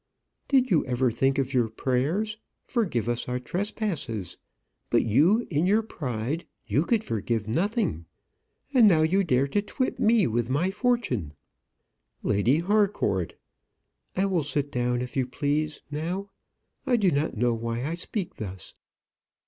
"Did you ever think of your prayers? 'Forgive us our trespasses.' But you, in your pride you could forgive nothing. And now you dare to twit me with my fortune!" "Lady Harcourt!" "I will sit down, if you please, now. I do not know why I speak thus."